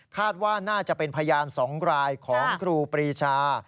คาดว่าน่าจะเป็นพยาน๒รายของครูปรีชา